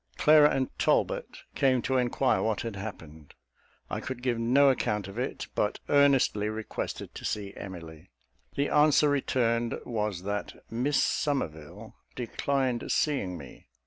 Clara and Talbot came to enquire what had happened. I could give no account of it; but earnestly requested to see Emily. The answer returned was that Miss Somerville declined seeing me.